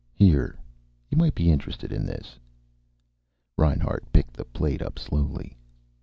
"Here. You might be interested in this." Reinhart picked the plate up slowly.